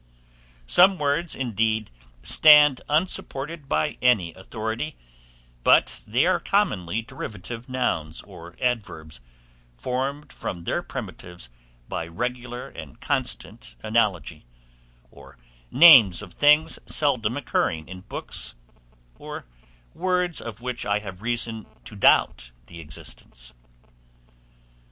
Some words, indeed, stand unsupported by any authority, but they are commonly derivative nouns or adverbs, formed from their primitives by regular and constant analogy, or names of things seldom occurring in books, or words of which I have reason to doubt the existence.